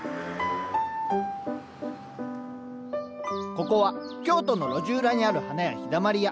ここは京都の路地裏にある花屋「陽だまり屋」。